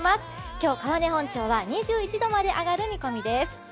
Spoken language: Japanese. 今日、川根本町は２１度まで上がる予報です。